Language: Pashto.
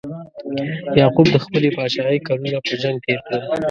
یعقوب د خپلې پاچاهۍ کلونه په جنګ تیر کړل.